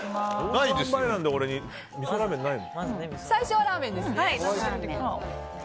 最初はラーメンです。